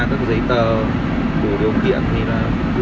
dừng lại để kiểm tra các giấy tờ đủ điều khiển thì là như thế là đi thôi